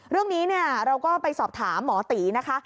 เรื่องนี้เราก็ไปสอบถามหมอตีนะคะ